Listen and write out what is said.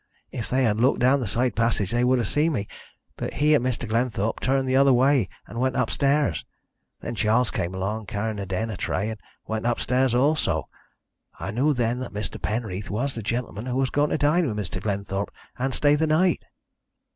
If they had looked down the side passage they would have seen me. But he and Mr. Glenthorpe turned the other way, and went upstairs. Then Charles came along carrying a dinner tray, and went upstairs also. I knew then that Mr. Penreath was the gentleman who was going to dine with Mr. Glenthorpe, and stay the night.